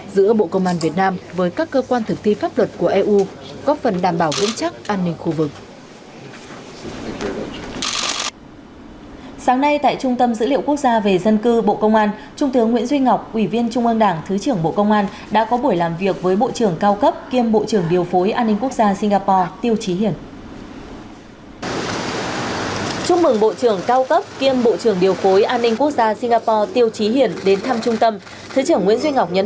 giữa bộ công an việt nam với các cơ quan thực thi pháp luật của eu góp phần đảm bảo vững chắc an ninh khu vực